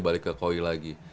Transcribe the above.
balik ke koi lagi